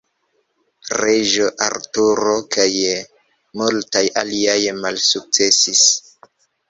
Reĝo Arturo kaj multaj aliaj malsukcesis.